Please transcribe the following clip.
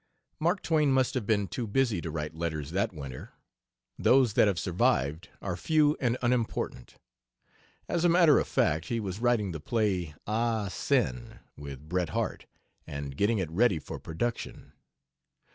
Mark Twain must have been too busy to write letters that winter. Those that have survived are few and unimportant. As a matter of fact, he was writing the play, "Ah Sin," with Bret Harte, and getting it ready for production.